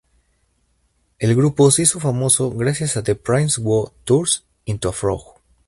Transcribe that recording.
El grupo se hizo famoso gracias a "The Prince Who Turns Into a Frog".